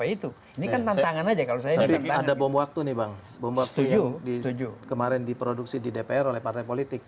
itu akan lebih kuat kita